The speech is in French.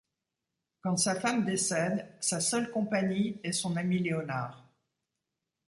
Quand sa femme décède, sa seule compagnie est son ami Leonard.